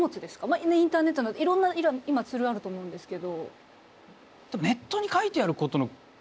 インターネットなどいろんな今ツールあると思うんですけど。